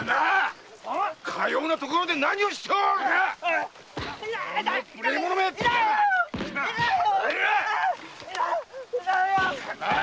かような所で何をしておる⁉きさま‼痛い！